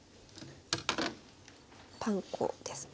パン粉ですね。